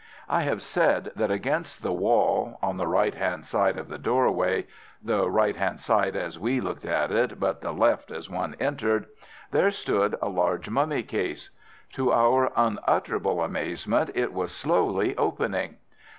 I have said that against the wall—on the right hand side of the doorway (the right hand side as we looked at it, but the left as one entered)—there stood a large mummy case. To our unutterable amazement it was slowly opening.